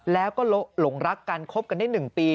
แล้วก็หลงรักกันคบกันได้๑ปี